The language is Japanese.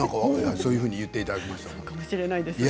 そういうふうに言っていただきました。